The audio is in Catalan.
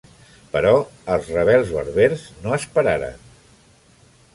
Però els rebels berbers no esperaren.